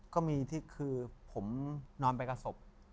ก็มีที่คือผมนอนไปกับศพ